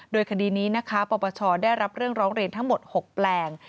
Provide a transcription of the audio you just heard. โดยคดีนี้นะคะปปชได้รับเรื่องร้องเรียนทั้งหมด๖แปลง